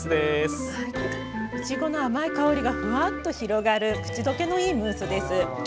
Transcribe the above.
いちごの甘い香りがフワッと広がる口どけのいいムースです。